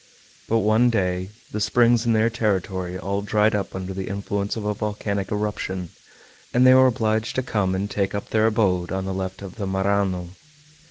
But one day the springs in their territory all dried up under the influence of a volcanic eruption, and they were obliged to come and take up their abode on the left of the Marânon.